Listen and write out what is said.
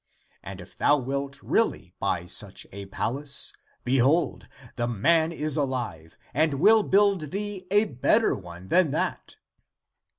And if thou wilt really buy such a palace, behold, the man is alive, and will build thee a better one than that."